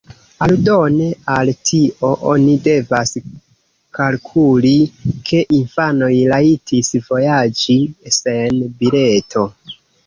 Aldone al tio, oni devas kalkuli ke infanoj rajtis vojaĝi sen bileto.